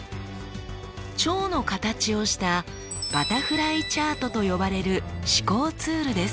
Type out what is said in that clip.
蝶の形をしたバタフライチャートと呼ばれる思考ツールです。